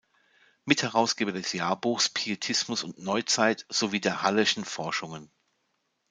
Mitherausgeber des Jahrbuchs "Pietismus und Neuzeit" sowie der "Halleschen Forschungen".